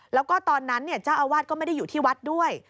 แล้วก็ตอนนั้นเจ้าอาวาสก็ไม่ได้อยู่ที่วัดด้วย